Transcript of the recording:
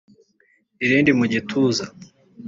irindi mu gituza